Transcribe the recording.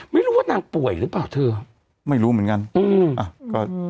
ไม่รู้ว่านางป่วยหรือเปล่าเธอไม่รู้เหมือนกันอืมอ่ะก็